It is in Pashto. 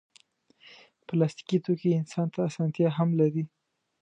پلاستيکي توکي انسان ته اسانتیا هم لري.